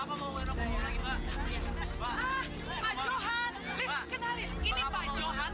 oh jadi ini pak johan